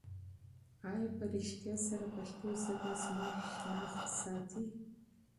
آیا په رښتیا سره پښتو ژبه زموږ هویت ساتي؟